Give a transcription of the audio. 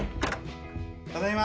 ただいま。